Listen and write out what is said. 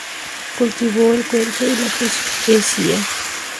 Cultivó el cuento y la poesía.